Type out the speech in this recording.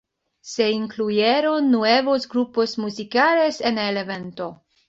Se incluyeron nuevos grupos musicales en el evento.